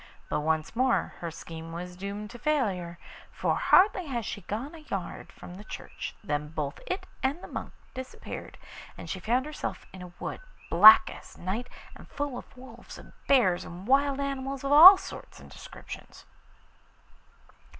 But once more her scheme was doomed to failure, for hardly had she gone a yard from the church than both it and the monk disappeared, and she found herself in a wood black as night, and full of wolves and bears and wild animals of all sorts and descriptions.